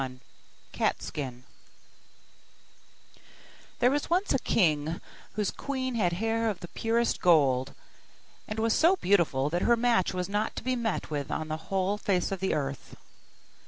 CAT SKIN There was once a king, whose queen had hair of the purest gold, and was so beautiful that her match was not to be met with on the whole face of the earth.